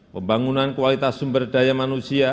pembangunan kualitas sumber daya manusia